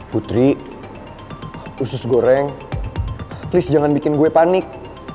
putri usus goreng please jangan bikin gue panik